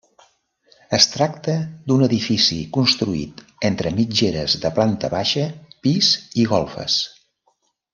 Es tracta d'un edifici construït entre mitgeres de planta baixa, pis i golfes.